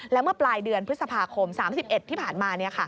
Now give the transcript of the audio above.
และเมื่อปลายเดือนพฤษภาคม๓๑ที่ผ่านมา